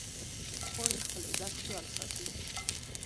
خور د خپل عزت خیال ساتي.